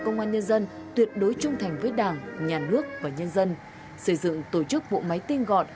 nhân dân tuyệt đối trung thành với đảng nhà nước và nhân dân xây dựng tổ chức bộ máy tin gọn